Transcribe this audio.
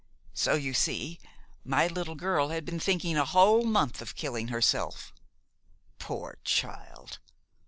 So, you see, my little girl had been thinking a whole month of killing herself. Poor child!